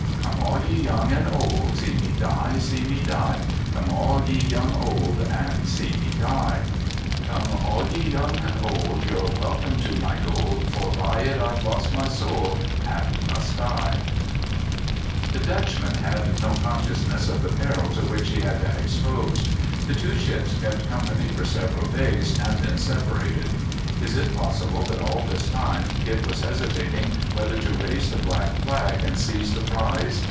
"Come all ye young and old, see me die, see me die, Come all ye young and old, see me die; Come all ye young and old, you're welcome to my gold, For by it I've lost my soul, and must die." The Dutchman had no consciousness of the peril to which he had been exposed. The two ships kept company for several days, and then separated. Is it possible that all this time Kidd was hesitating whether to raise the black flag and seize the prize?